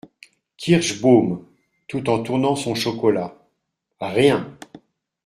Kirschbaum, tout en tournant son chocolat. — Rien !